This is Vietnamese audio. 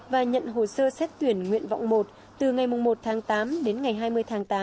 và nhận hồ sơ xét tuyển nguyện vọng một từ ngày một tháng tám đến ngày hai mươi tháng tám